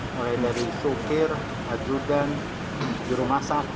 mulai dari sukir ajudan jurumasa